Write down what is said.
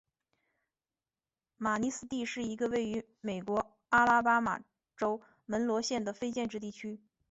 马尼斯蒂是一个位于美国阿拉巴马州门罗县的非建制地区。